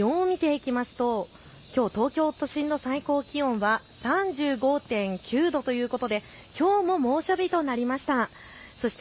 というのも気温を見ていきますときょう東京都心の最高気温は３５．９度ということできょうも猛暑日となりました。